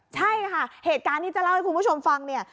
ใช่ค่ะเหตุการณ์ที่จะเล่าให้คุณผู้ชมฟังเนี่ย